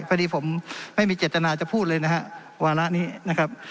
พอดีผมไม่มีเจตนาจะพูดเลยนะฮะวาระนี้นะครับ